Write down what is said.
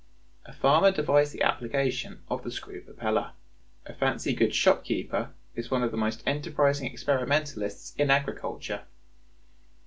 A farmer devised the application of the screw propeller. A fancy goods shopkeeper is one of the most enterprising experimentalists in agriculture.